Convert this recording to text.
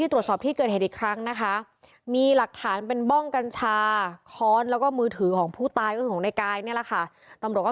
ตอนนี้คุณลุงเป็นยังไงบ้าง